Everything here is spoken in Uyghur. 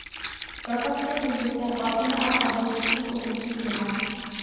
بىر قانچە سۆزلۈكلەر ئارقىمۇ ئارقا بوشلۇقسىز ئۇلىنىپ يېزىلغان.